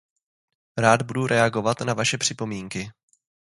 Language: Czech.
Rád budu reagovat na vaše připomínky.